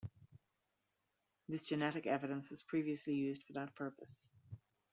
This genetic evidence was previously used for that purpose.